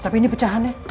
tapi ini pecahannya